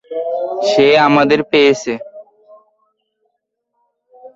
সেই আমাদের পেয়েছে।